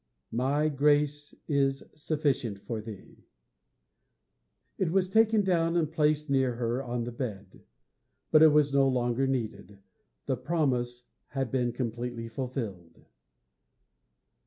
MY GRACE IS SUFFICIENT FOR THEE It was taken down and placed near her on the bed. But it was no longer needed. The promise had been completely fulfilled.'